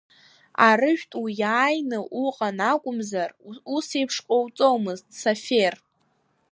Арыжәтә уиааины уҟан акәымзар усеиԥш ҟауҵомызт, Сафер.